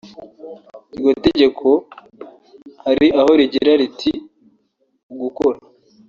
Iryo tegeko hari aho rigira riti “Ugukora